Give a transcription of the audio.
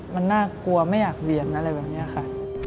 มันน่ากลัวไม่อยากเบี่ยงอะไรแบบนี้ค่ะ